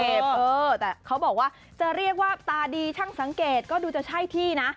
เออแต่เขาบอกว่าจะเรียกว่าตาดีช่างสังเกตก็ดูจะใช่ที่นะ